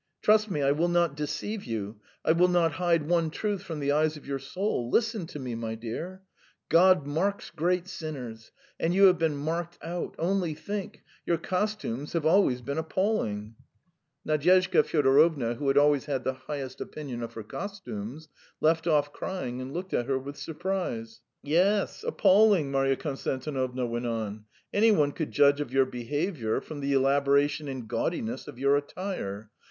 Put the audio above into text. "Trust me, I will not deceive you, I will not hide one truth from the eyes of your soul. Listen to me, my dear. ... God marks great sinners, and you have been marked out: only think your costumes have always been appalling." Nadyezhda Fyodorovna, who had always had the highest opinion of her costumes, left off crying and looked at her with surprise. "Yes, appalling," Marya Konstantinovna went on. "Any one could judge of your behaviour from the elaboration and gaudiness of your attire.